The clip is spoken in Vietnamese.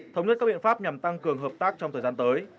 thống nhất các biện pháp nhằm tăng cường hợp tác trong thời gian tới